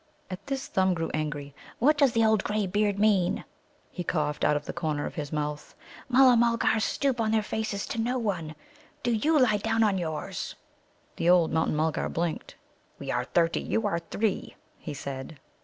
At this Thumb grew angry. "What does the old grey beard mean?" he coughed out of the corner of his mouth. "Mulla mulgars stoop on their faces to no one. Do you lie down on yours." The old Mountain mulgar blinked. "We are thirty; you are three," he said.